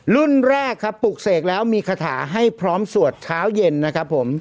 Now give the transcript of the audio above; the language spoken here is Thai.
รุ่นแรกครับปลูกเสกแล้วมีคาถาให้พร้อมสวดเช้าเย็นนะครับผม